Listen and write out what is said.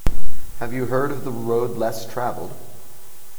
Have you heard of The Road Less Travelled?